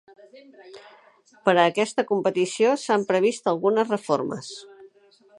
Per a aquesta competició s'han previst algunes reformes.